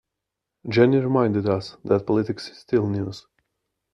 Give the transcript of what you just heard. Jenny reminded us that politics is still news.